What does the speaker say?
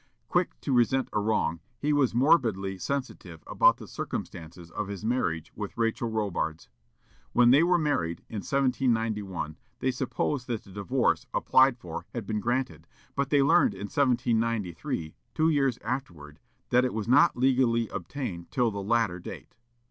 Quick to resent a wrong, he was morbidly sensitive about the circumstances of his marriage with Rachel Robards. When they were married, in 1791, they supposed that the divorce, applied for, had been granted, but they learned in 1793, two years afterward, that it was not legally obtained till the latter date.